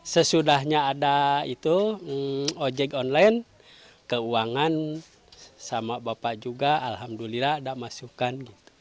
sesudahnya ada itu ojek online keuangan sama bapak juga alhamdulillah ada masukan